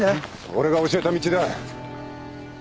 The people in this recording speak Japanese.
俺が教えた道だ。